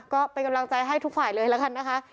ก็เป็นกำลังใจให้ทุกฝ่ายเลยละกันนะคะ